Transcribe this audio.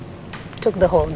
ambil sepanjang hari